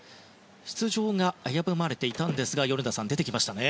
出場が危ぶまれていたんですが出てきましたね。